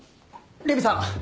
麗美さん